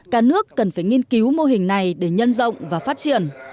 cả nước cần phải nghiên cứu mô hình này để nhân rộng và phát triển